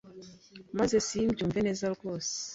maze simbyumve neza rwose